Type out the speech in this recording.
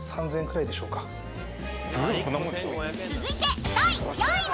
［続いて第４位は］